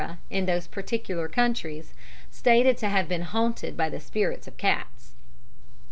in those particular countries, stated to have been haunted by the spirits of cats).